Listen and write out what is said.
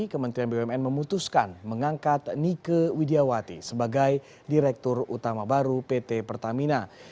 kementerian bumn memutuskan mengangkat nike widiawati sebagai direktur utama baru pt pertamina